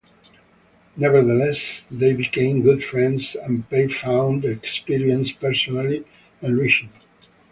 Nevertheless, they became good friends and Pei found the experience personally enriching.